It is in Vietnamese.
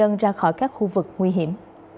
sơ tán người dân ra khỏi các khu vực nguy hiểm